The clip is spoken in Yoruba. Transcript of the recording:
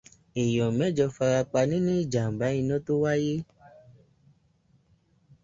Èèyàn mẹ́jọ farapa nínú ìjàmbá iná tó wáyé.